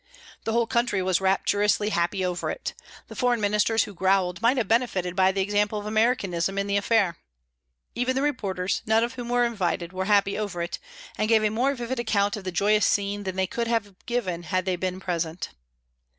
The whole country was rapturously happy over it. The foreign ministers who growled might have benefited by the example of Americanism in the affair. Even the reporters, none of whom were invited, were happy over it, and gave a more vivid account of the joyous scene than they could have given had they been present.